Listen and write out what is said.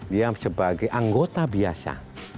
dia sebagai anggota biasa